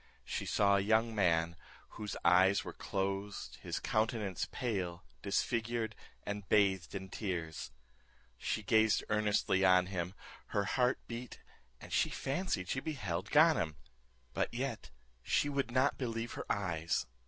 She saw a young man, whose eyes were closed, his countenance pale, disfigured, and bathed in tears. She gazed earnestly on him, her heart beat, and she fancied she beheld Ganem; but yet she would not believe her eyes.